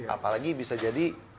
apalagi bisa jadi